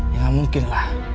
ya gak mungkin lah